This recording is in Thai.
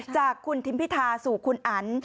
จากคุณทิมพิธาสู่คุณอัน